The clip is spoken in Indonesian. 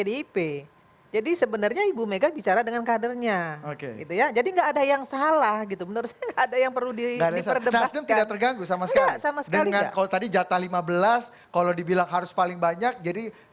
itu ada yang perlu di oh ya sama sekali kalau tadi jatah lima belas kalau dibilang harus paling banyak jadi